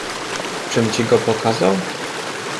Czym ci go pokazał?